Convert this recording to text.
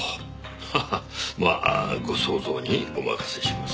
ハハッまあご想像にお任せします。